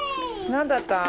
何だった？